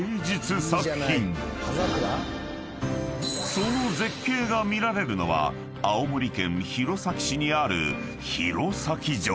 ［その絶景が見られるのは青森県弘前市にある］